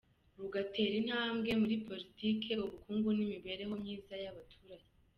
rugatera intambwe muri politiki, ubukungu n’imibereho myiza y’abaturage.